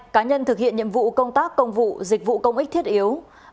cá nhân thực hiện nhiệm vụ công tác công vụ dịch vụ công ích thiết yếu